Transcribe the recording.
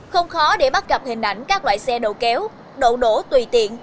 không khó để bắt gặp hình ảnh các loại xe đổ kéo đổ đổ tùy tiện